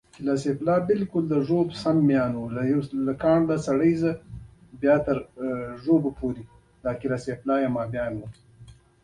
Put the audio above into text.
د فاروق سپین پایڅه پاکه کورنۍ څه شول؟